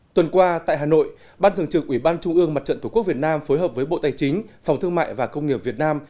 tuần qua tại hà nội ban thường trực ubnd tp hà nội phối hợp với bộ tài chính phòng thương mại và công nghiệp việt nam